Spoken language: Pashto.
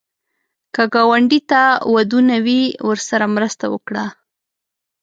که ګاونډي ته ودونه وي، ورسره مرسته وکړه